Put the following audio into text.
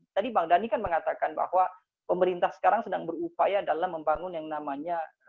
tadi bang dhani kan mengatakan bahwa pemerintah sekarang sedang berupaya dalam membangun yang namanya